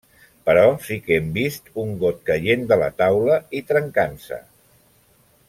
Però sí que hem vist un got caient de la taula i trencant-se.